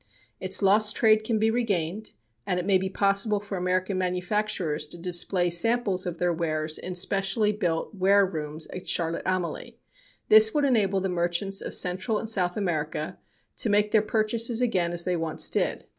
Its lost trade can be regained, and it may be possible for American manufacturers to display samples of their wares in especially built ware rooms at Charlotte Amalie. This would enable the merchants of Central and South America to make their purchases again as they once did.